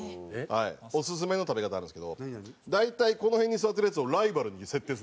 オススメの食べ方あるんですけど大体この辺に座ってるヤツをライバルに設定するんですよ。